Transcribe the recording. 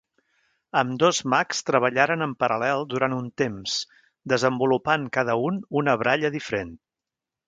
Ambdós mags treballaren en paral·lel durant un temps, desenvolupant cada un una baralla diferent.